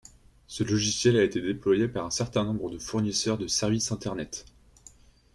Ce logiciel a été déployé par un certain nombre de fournisseurs de services Internet.